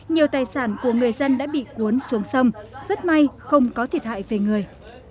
nhiều tài sản của người dân đã bị cuốn xuống sông rất may không có thiệt hại về người